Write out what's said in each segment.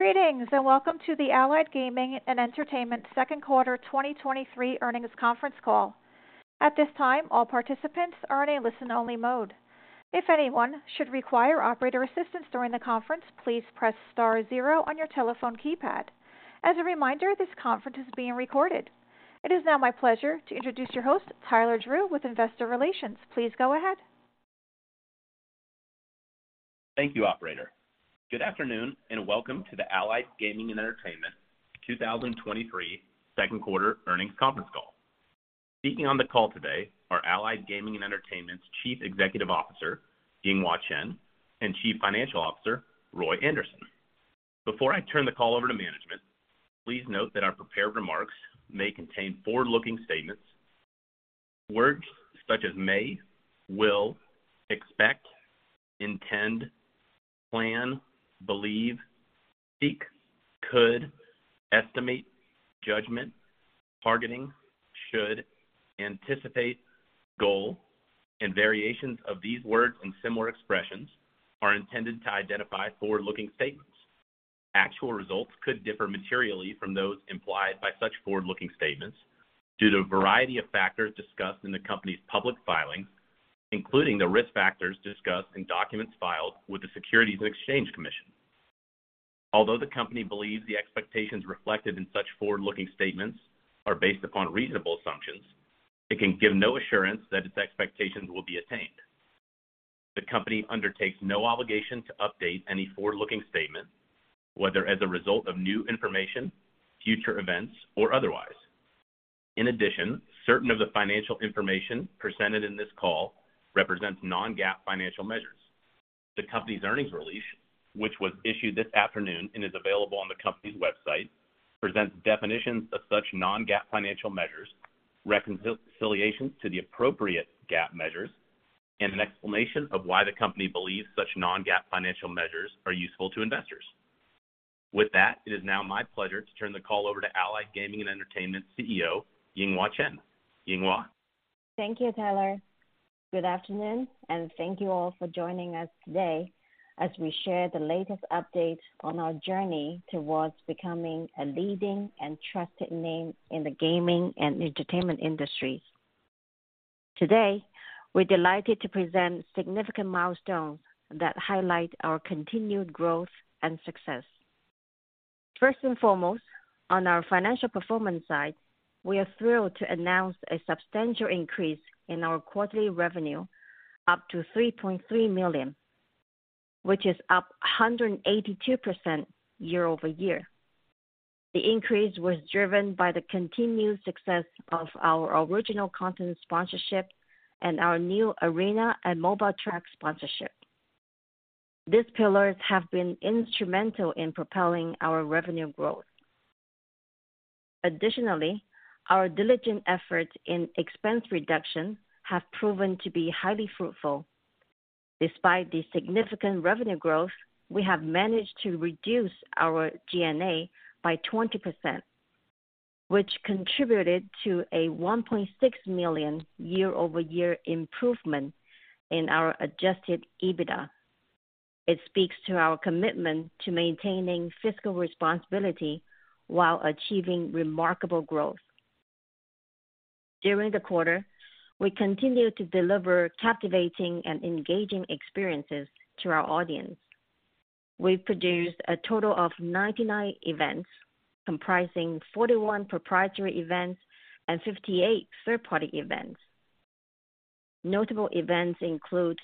Greetings, and welcome to the Allied Gaming & Entertainment Second Quarter 2023 Earnings Conference Call. At this time, all participants are in a listen-only mode. If anyone should require operator assistance during the conference, please press star zero on your telephone keypad. As a reminder, this conference is being recorded. It is now my pleasure to introduce your host, Tyler Drew, with Investor Relations. Please go ahead. Thank you, operator. Good afternoon, and welcome to the Allied Gaming & Entertainment 2023 Second Quarter Earnings Conference Call. Speaking on the call today are Allied Gaming & Entertainment's Chief Executive Officer, Yinghua Chen, and Chief Financial Officer, Roy Anderson. Before I turn the call over to management, please note that our prepared remarks may contain forward-looking statements. Words such as may, will, expect, intend, plan, believe, seek, could, estimate, judgment, targeting, should, anticipate, goal, and variations of these words and similar expressions are intended to identify forward-looking statements. Actual results could differ materially from those implied by such forward-looking statements due to a variety of factors discussed in the company's public filings, including the risk factors discussed in documents filed with the Securities and Exchange Commission. Although the company believes the expectations reflected in such forward-looking statements are based upon reasonable assumptions, it can give no assurance that its expectations will be attained. The company undertakes no obligation to update any forward-looking statement, whether as a result of new information, future events, or otherwise. In addition, certain of the financial information presented in this call represents non-GAAP financial measures. The company's earnings release, which was issued this afternoon and is available on the company's website, presents definitions of such non-GAAP financial measures, reconciliations to the appropriate GAAP measures, and an explanation of why the company believes such non-GAAP financial measures are useful to investors. With that, it is now my pleasure to turn the call over to Allied Gaming & Entertainment's CEO, Yinghua Chen. Yinghua? Thank you, Tyler. Good afternoon, and thank you all for joining us today as we share the latest update on our journey towards becoming a leading and trusted name in the gaming and entertainment industry. Today, we're delighted to present significant milestones that highlight our continued growth and success. First and foremost, on our financial performance side, we are thrilled to announce a substantial increase in our quarterly revenue, up to $3.3 million, which is up 182% year-over-year. The increase was driven by the continued success of our original content sponsorship and our new arena and mobile track sponsorship. These pillars have been instrumental in propelling our revenue growth. Additionally, our diligent efforts in expense reduction have proven to be highly fruitful. Despite the significant revenue growth, we have managed to reduce our G&A by 20%, which contributed to a $1.6 million year-over-year improvement in our Adjusted EBITDA. It speaks to our commitment to maintaining fiscal responsibility while achieving remarkable growth. During the quarter, we continued to deliver captivating and engaging experiences to our audience. We've produced a total of 99 events, comprising 41 proprietary events and 58 third-party events. Notable events include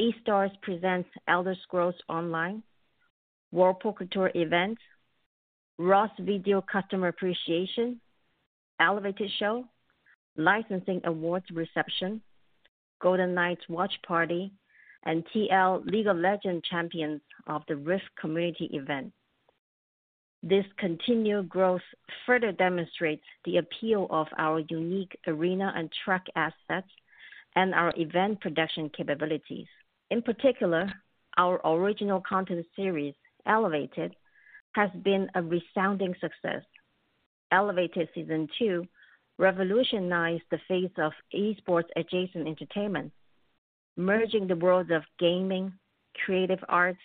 EStars Presents Elder Scrolls Online, Whirlpool COUTURE event, Ross Video Customer Appreciation, ELEVATED show, Licensing Awards Reception, Golden Knights watch party, and TL League of Legends: Champions of the Rift community event. This continued growth further demonstrates the appeal of our unique arena and track assets and our event production capabilities. In particular, our original content series, ELEVATED, has been a resounding success. Elevated Season Two revolutionized the face of esports-adjacent entertainment, merging the worlds of gaming, creative arts,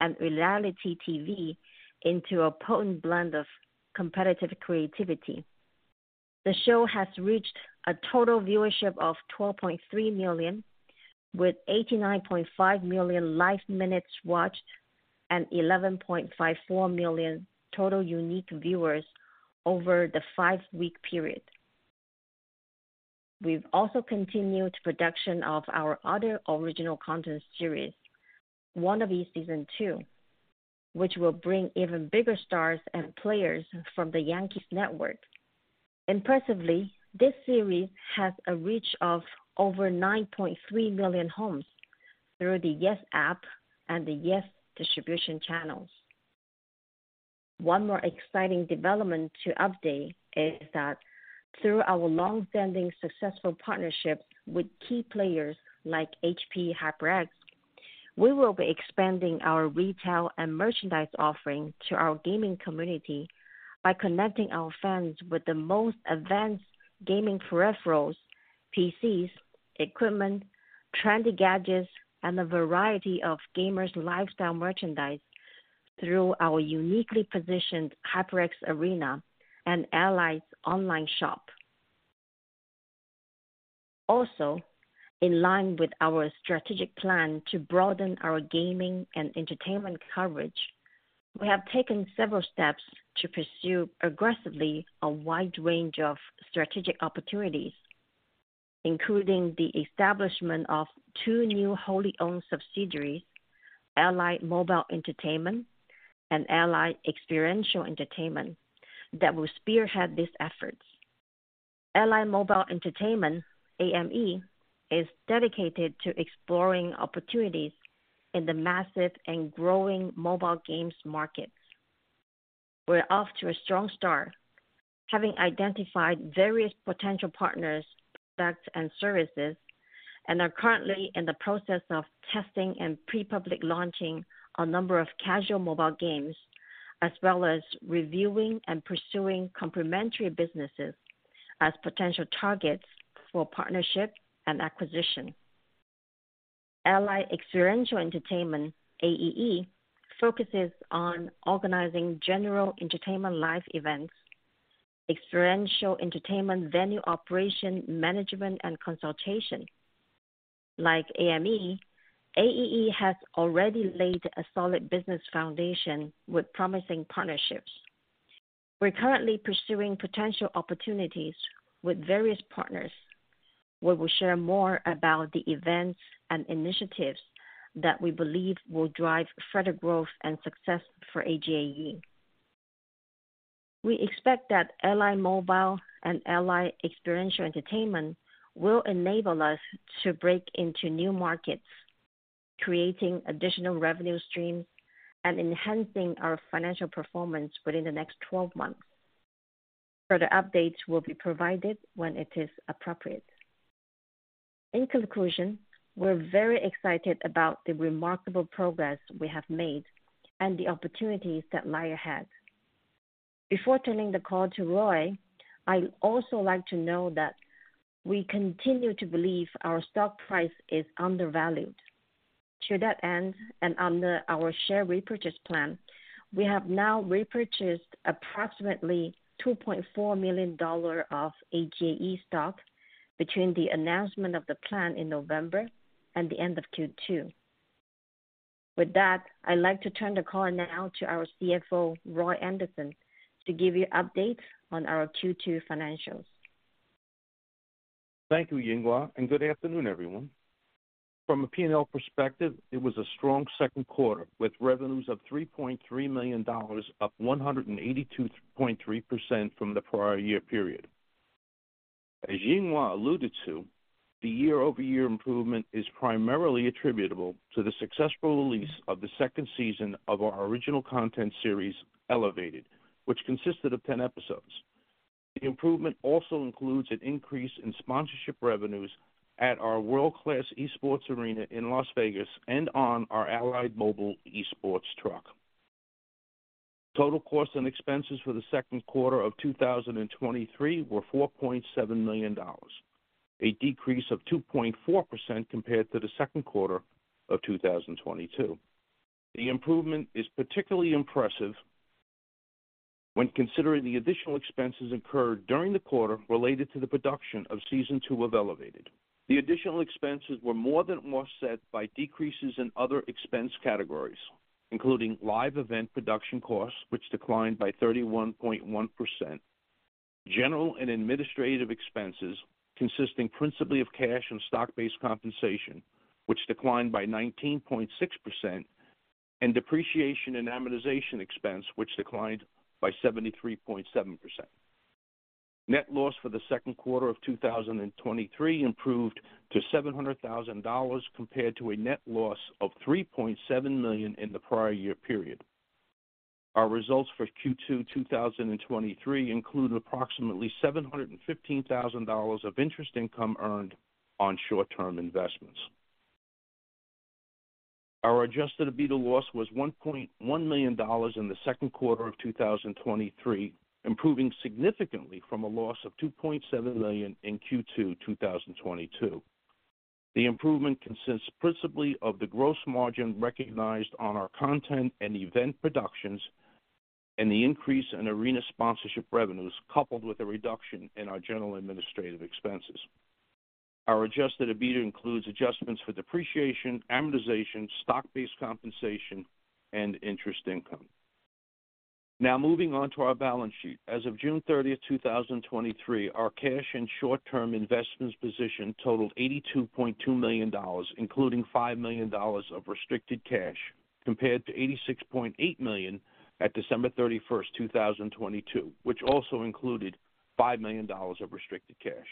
and reality TV into a potent blend of competitive creativity. The show has reached a total viewership of 12.3 million, with 89.5 million live minutes watched and 11.54 million total unique viewers over the 5-week period. We've also continued production of our other original content series, One of these Season Two, which will bring even bigger stars and players from the Yankees network. Impressively, this series has a reach of over 9.3 million homes through the YES App and the YES distribution channels. One more exciting development to update is that through our long-standing successful partnership with key players like HP HyperX, we will be expanding our retail and merchandise offering to our gaming community by connecting our fans with the most advanced gaming peripherals. PCs, equipment, trendy gadgets, and a variety of gamers lifestyle merchandise through our uniquely positioned HyperX Arena and Allied's online shop. Also, in line with our strategic plan to broaden our gaming and entertainment coverage, we have taken several steps to pursue aggressively a wide range of strategic opportunities, including the establishment of two new wholly owned subsidiaries, Allied Mobile Entertainment and Allied Experiential Entertainment, that will spearhead these efforts. Allied Mobile Entertainment, AME, is dedicated to exploring opportunities in the massive and growing mobile games markets. We're off to a strong start, having identified various potential partners, products, and services, and are currently in the process of testing and pre-public launching a number of casual mobile games, as well as reviewing and pursuing complementary businesses as potential targets for partnership and acquisition. Allied Experiential Entertainment, AEE, focuses on organizing general entertainment live events, experiential entertainment venue operation, management, and consultation. Like AME, AEE has already laid a solid business foundation with promising partnerships. We're currently pursuing potential opportunities with various partners, where we'll share more about the events and initiatives that we believe will drive further growth and success for AGAE. We expect that Allied Mobile and Allied Experiential Entertainment will enable us to break into new markets, creating additional revenue streams and enhancing our financial performance within the next 12 months. Further updates will be provided when it is appropriate. In conclusion, we're very excited about the remarkable progress we have made and the opportunities that lie ahead. Before turning the call to Roy, I'd also like to note that we continue to believe our stock price is undervalued. To that end, and under our share repurchase plan, we have now repurchased approximately $2.4 million of AGAE stock between the announcement of the plan in November and the end of Q2. With that, I'd like to turn the call now to our CFO, Roy Anderson, to give you updates on our Q2 financials. Thank you, Yinghua, good afternoon, everyone. From a P&L perspective, it was a strong second quarter, with revenues of $3.3 million, up 182.3% from the prior year period. As Yinghua alluded to, the year-over-year improvement is primarily attributable to the successful release of the second season of our original content series, ELEVATED, which consisted of 10 episodes. The improvement also includes an increase in sponsorship revenues at our world-class esports arena in Las Vegas and on our Allied Mobile esports truck. Total costs and expenses for the second quarter of 2023 were $4.7 million, a decrease of 2.4% compared to the second quarter of 2022. The improvement is particularly impressive when considering the additional expenses incurred during the quarter related to the production of season two of ELEVATED. The additional expenses were more than offset by decreases in other expense categories, including live event production costs, which declined by 31.1%. General and administrative expenses, consisting principally of cash and stock-based compensation, which declined by 19.6%, and depreciation and amortization expense, which declined by 73.7%. Net loss for the second quarter of 2023 improved to $700,000, compared to a net loss of $3.7 million in the prior year period. Our results for Q2 2023 include approximately $715,000 of interest income earned on short-term investments. Our Adjusted EBITDA loss was $1.1 million in the second quarter of 2023, improving significantly from a loss of $2.7 million in Q2 2022. The improvement consists principally of the gross margin recognized on our content and event productions and the increase in arena sponsorship revenues, coupled with a reduction in our General and Administrative expenses. Our Adjusted EBITDA includes adjustments for depreciation, amortization, stock-based compensation, and interest income. Moving on to our balance sheet. As of June 30, 2023, our cash and short-term investments position totaled $82.2 million, including $5 million of restricted cash, compared to $86.8 million at December 31st, 2022, which also included $5 million of restricted cash.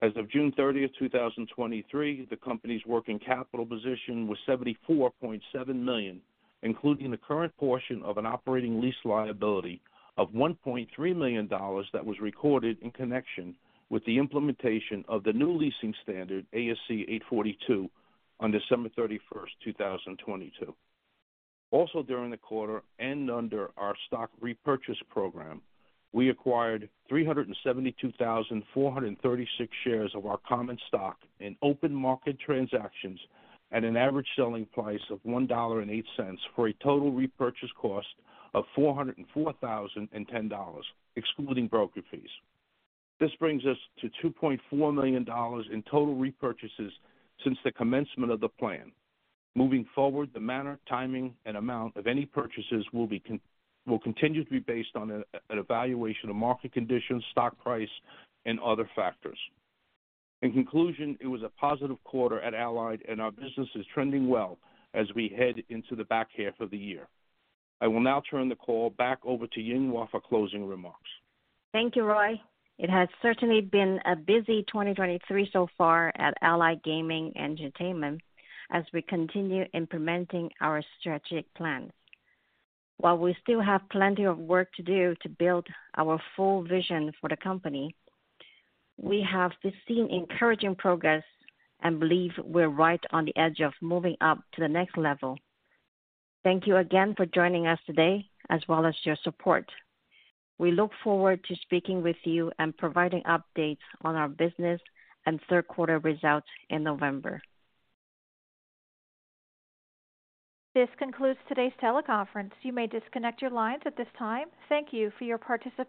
As of June 30, 2023, the company's working capital position was $74.7 million, including the current portion of an operating lease liability of $1.3 million that was recorded in connection with the implementation of the new leasing standard, ASC 842, on December 31st, 2022. Also, during the quarter and under our stock repurchase program, we acquired 372,436 shares of our common stock in open market transactions at an average selling price of $1.08, for a total repurchase cost of $404,010, excluding broker fees. This brings us to $2.4 million in total repurchases since the commencement of the plan. Moving forward, the manner, timing, and amount of any purchases will continue to be based on an evaluation of market conditions, stock price, and other factors. In conclusion, it was a positive quarter at Allied, and our business is trending well as we head into the back half of the year. I will now turn the call back over to Yinghua for closing remarks. Thank you, Roy. It has certainly been a busy 2023 so far at Allied Gaming & Entertainment as we continue implementing our strategic plans. While we still have plenty of work to do to build our full vision for the company, we have seen encouraging progress and believe we're right on the edge of moving up to the next level. Thank you again for joining us today, as well as your support. We look forward to speaking with you and providing updates on our business and third quarter results in November. This concludes today's teleconference. You may disconnect your lines at this time. Thank you for your participation.